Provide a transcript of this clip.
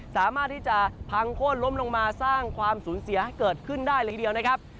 สามารถที่จะพังโค้นล้มลงมาสร้างความสูญเสียให้เกิดขึ้นได้เลยทีเดียวนะครับ